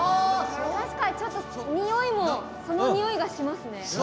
確かにちょっとにおいもそのにおいがしますね。